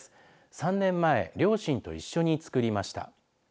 ３年前両親と一緒に作りました。